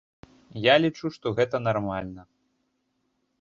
Я лічу, што гэта нармальна.